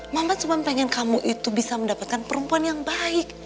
mamat cuma pengen kamu itu bisa mendapatkan perempuan yang baik